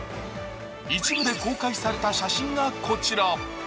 一部で公開された写真がこちら。